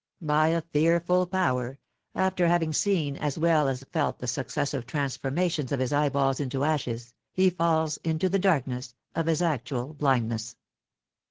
By a fearful power, after having seen as well as felt the successive transformations of his eyeballs into ashes, he falls into the darkness of his actual blindness.